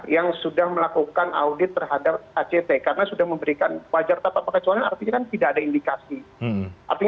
yang sudah melakukan audit terhadap act karena sudah memberikan wajar tanpa pengecualian artinya kan tidak ada indikasi artinya